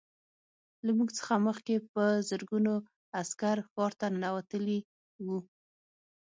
له موږ څخه مخکې په زرګونه عسکر ښار ته ننوتلي وو